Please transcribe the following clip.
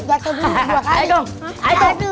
jatuh dulu dua kali